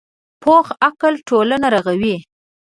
پوخ عقل ټولنه رغوي